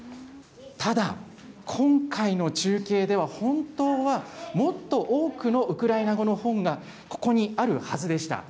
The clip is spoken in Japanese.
ただ、今回の中継では本当は、もっと多くのウクライナ語の本がここにあるはずでした。